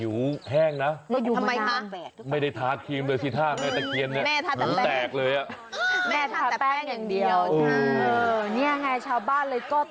มาได้ยินเสียงอีการ้องทัก